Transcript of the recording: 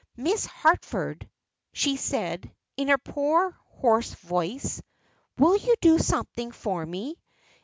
"Miss Harford," she said, in her poor, hoarse voice, "will you do something for me?